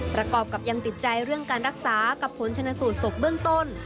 ประกอบกับยังติดใจเรื่องการรักษากับผลชนสูตรศพเบื้องต้น